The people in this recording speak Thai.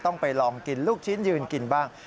ต้องไปลองกินลูกชิ้นยืนกินบ้าง